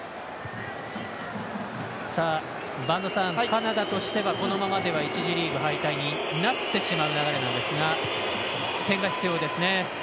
カナダとしてはこのままでは１次リーグ敗退になってしまう流れなんですが点が必要ですね。